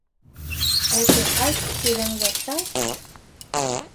Әтү: «айт!» тигәнгә-«тайт!»